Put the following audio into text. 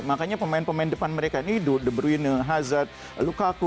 makanya pemain pemain depan mereka ini dubruine hazard lukaku